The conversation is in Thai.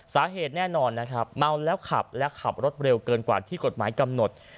แน่นอนนะครับเมาแล้วขับและขับรถเร็วเกินกว่าที่กฎหมายกำหนด